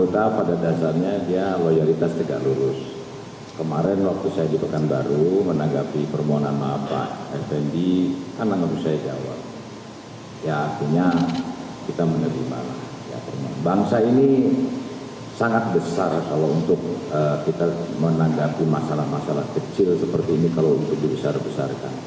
kita menanggapi masalah masalah kecil seperti ini kalau untuk dibesar besarkan